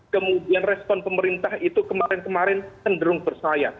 kemudian respon pemerintah itu kemarin kemarin cenderung bersayap